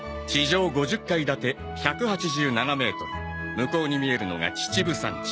向こうに見えるのが秩父山地。